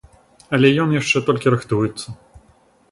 Але ён яшчэ толькі рыхтуецца.